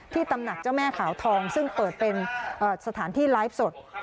ตำหนักเจ้าแม่ขาวทองซึ่งเปิดเป็นสถานที่ไลฟ์สด